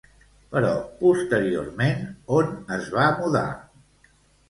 Però posteriorment on es va mudar?